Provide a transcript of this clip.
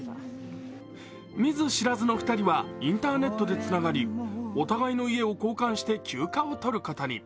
見ず知らずの２人はインターネットでつながり、お互いの家を交換して休暇を取ることに。